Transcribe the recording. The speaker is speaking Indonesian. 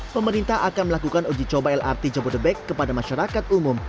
pemerintah akan melakukan uji coba lrt jabodebek kepada masyarakat umum